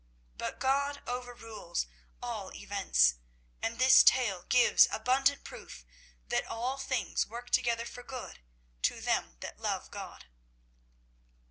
But God overrules all events, and this tale gives abundant proof that all things work together for good to them that love God.